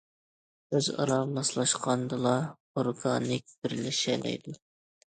ئۆزئارا ماسلاشقاندىلا ئورگانىك بىرلىشەلەيدۇ.